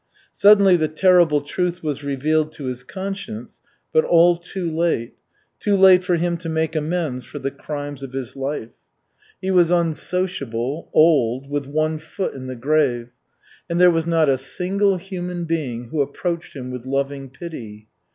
Suddenly the terrible truth was revealed to his conscience, but all too late too late for him to make amends for the crimes of his life. He was unsociable, old, with one foot in the grave, and there was not a single human being who approached him with loving pity.